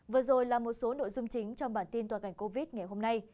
vừa rồi là một số nội dung chính trong bản tin toàn cảnh covid ngày hôm nay